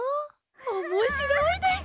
おもしろいです！